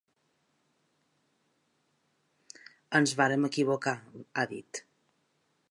Ens vàrem equivocar, ha dit.